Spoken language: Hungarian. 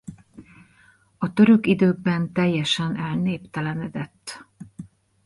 A török időkben teljesen elnéptelenedett.